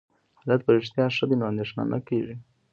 حالت په رښتیا ښه دی، نو اندېښنه نه کېږي.